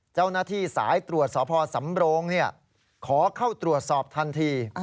เจ้าหน้าที่สายตรวจสพสำโรงขอเข้าตรวจสอบทันที